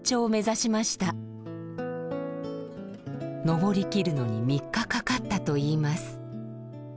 登りきるのに３日かかったといいます。